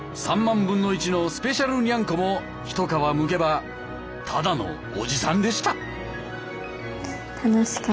３万分の１のスペシャルニャンコも一皮むけばただのおじさんでした。